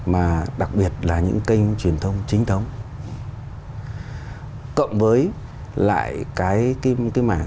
mà đặc biệt là những kênh truyền thông chính thống cộng với lại cái kim cái mảng